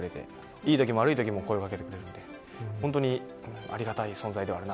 いい時も悪い時も声をかけてくれるので本当にありがたい存在です。